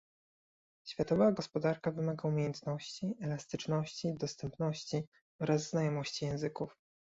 Światowa gospodarka wymaga umiejętności, elastyczności, dostępności oraz znajomości języków